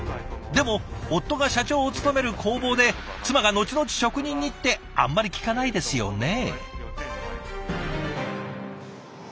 でも夫が社長を務める工房で妻が後々職人にってあんまり聞かないですよね。